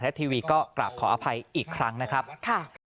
และทีวีก็กราบขออภัยอีกครั้งนะครับค่ะ